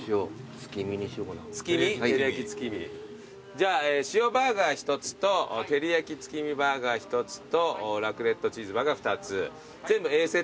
じゃあ塩バーガー１つとテリヤキ月見バーガー１つとラクレットチーズバーガー２つ全部Ａセットで。